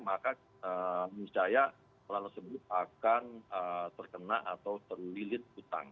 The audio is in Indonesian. maka miscaya orang sebelum akan terkena atau terlilit hutang